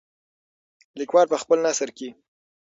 لیکوال په خپل نثر کې.